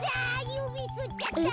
ゆびすっちゃった！